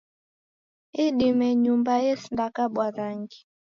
Idime nyumba esinda kabwa rangi